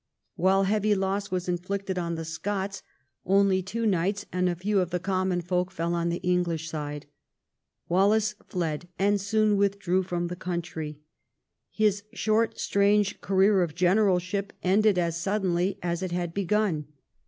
While heavy loss was inflicted on the Scots, only two knights and a few of the "common folk" fell on the English side. Wallace fled, and soon withdrew from the country. His short strange career of general ship ended as suddenly as it had begun.